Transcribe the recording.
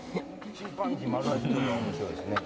チンパンジー丸出しのとこが面白いですね。